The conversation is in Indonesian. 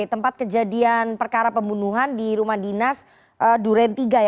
tempat kejadian perkara pembunuhan di rumah dinas duren iii